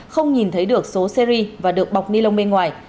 không nhìn thấy được số series và được bọc ni lông bên ngoài